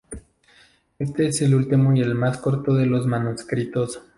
Éste es el último y el más corto de los manuscritos.